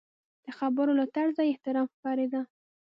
د خبرو له طرزه یې احترام ښکارېده.